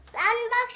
bapak saya di rumah